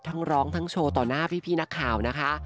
ทั้งร้องทั้งโชว์ต่อหน้าพี่นักข่าวนะคะ